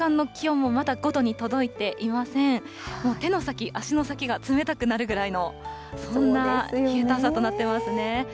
もう手の先、足の先が冷たくなるぐらいの、そんな冷えた朝となっていますね。